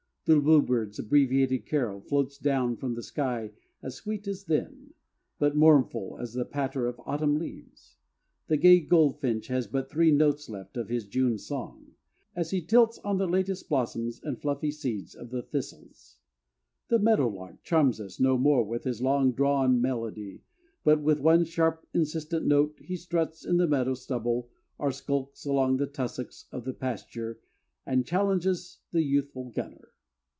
The bluebird's abbreviated carol floats down from the sky as sweet as then, but mournful as the patter of autumn leaves. The gay goldfinch has but three notes left of his June song, as he tilts on the latest blossoms and fluffy seeds of the thistles. The meadowlark charms us no more with his long drawn melody, but with one sharp, insistent note he struts in the meadow stubble or skulks among the tussocks of the pasture and challenges the youthful gunner.